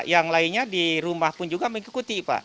yang lainnya di rumah pun juga mengikuti pak